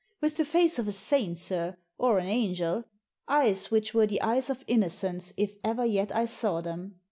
With the face of a saint, sir, or an angel, eyes which were the eyes of innocence, if ever yet I saw them.